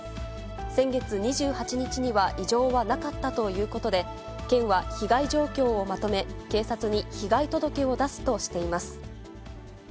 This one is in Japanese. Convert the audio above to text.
先月２８日には異常はなかったということで、県は被害状況をまとめ、警察に被害届を出すとしています。